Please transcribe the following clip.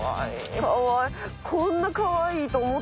かわいい。